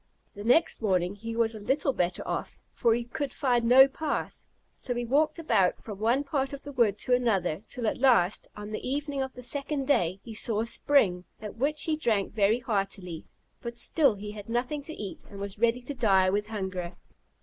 The next morning he was little better off, for he could find no path. So he walked about from one part of the wood to another, till at last, on the evening of the second day, he saw a spring, at which he drank very heartily; but still he had nothing to eat, and was ready to die with hunger.